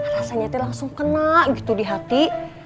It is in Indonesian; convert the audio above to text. rasanya itu langsung kena gitu di hati